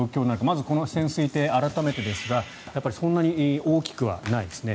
まずこの潜水艇、改めてですがそんなに大きくはないですね。